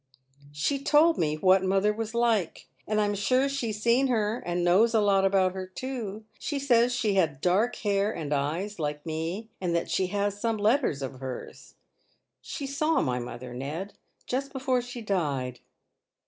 "She told me what mother was like ; and I'm sure she's seen her, and knows a lot about her too. She says she had dark hair and eyes, like me ; and that she has some letters of hers. She saw my mother, Ned, just before she died."